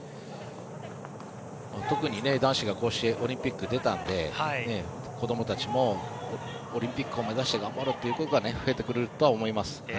特に男子がこうしてオリンピックに出たので子どもたちもオリンピックを目指して頑張ろうという子が増えてくれるとは思います。